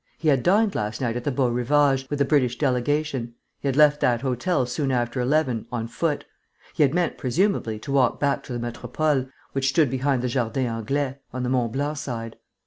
He had dined last night at the Beau Rivage, with the British delegation; he had left that hotel soon after eleven, on foot; he had meant, presumably, to walk back to the Metropole, which stood behind the Jardin Anglais, on the Mont Blanc side.